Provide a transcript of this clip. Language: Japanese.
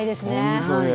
本当に。